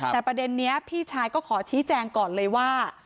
แต่ประเด็นนี้พี่ชายก็ขอชี้แจงก่อนเลยว่า